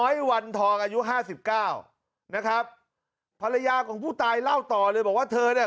จ๊ะจ๊ะจ๊ะจ๊ะจ๊ะจ๊ะจ๊ะจ๊ะจ๊ะ